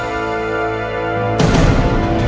tidak ada apa apa